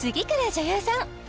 女優さん